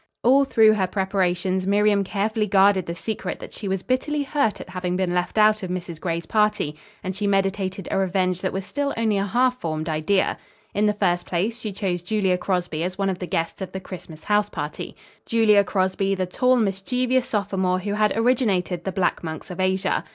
All through her preparations Miriam carefully guarded the secret that she was bitterly hurt at having been left out of Mrs. Gray's party, and she meditated a revenge that was still only a half formed idea. In the first place, she chose Julia Crosby as one of the guests of the Christmas house party; Julia Crosby the tall, mischievous sophomore who had originated the "Black Monks of Asia."